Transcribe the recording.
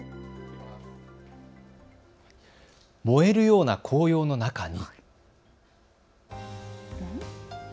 燃えるような紅葉の中に。